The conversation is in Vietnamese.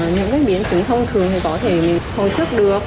những biến chứng thông thường có thể hồi sức được